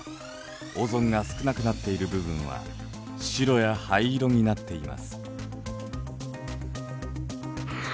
オゾンが少なくなっている部分は白や灰色になっています。